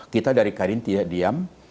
kita dari kadin tidak diam